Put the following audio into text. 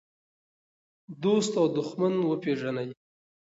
دوست او دښمن وپېژنئ.